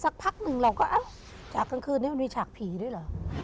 พักหนึ่งเราก็อ้าวฉากกลางคืนนี้มันมีฉากผีด้วยเหรอ